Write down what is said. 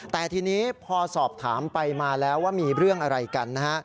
แต่ทีนี้พอสอบถามไปมาแล้วว่ามีเรื่องอะไรกันนะฮะ